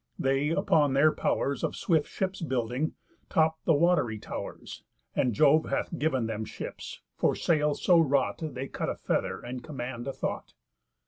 They, upon their pow'rs Of swift ships building, top the wat'ry tow'rs, And Jove hath giv'n them ships, for sail so wrought, They cut a feather, and command a thought."